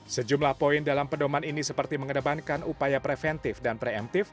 sejumlah poin dalam pedoman ini seperti mengedepankan upaya preventif dan preemptif